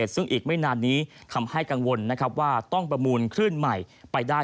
ซึ่งอีกไม่นานนี้คำให้กังวลว่าต้องประมูลคลื่นใหม่ไปได้